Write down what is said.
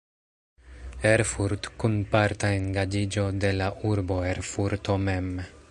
Erfurt" kun parta engaĝiĝo de la urbo Erfurto mem.